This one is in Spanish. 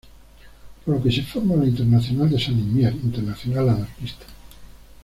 Por lo que se forma la Internacional de Saint-Imier Internacional anarquista.